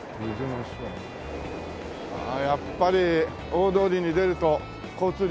ああやっぱり大通りに出ると交通量が激しいね。